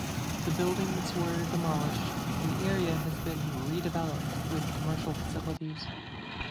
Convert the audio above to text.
The buildings were demolished and the area has been redeveloped with commercial facilities.